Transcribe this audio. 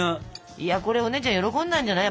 いやこれお姉ちゃん喜んだんじゃない。